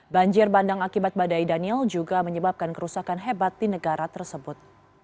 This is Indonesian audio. banjir bandang akibat badai daniel juga menyebabkan kerusakan hebat di negara tersebut